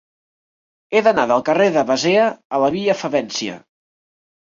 He d'anar del carrer de Basea a la via Favència.